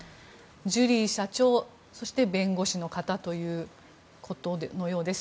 ジュリー社長そして弁護士の方ということのようです。